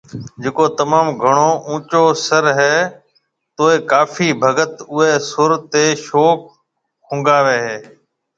جڪو تموم گھڻو اونچو سُر ھيَََ توئي ڪافي ڀگت اوئي سُر تي شوق ھونگاوي ھيَََ